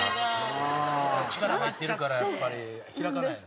力入ってるからやっぱり開かないの？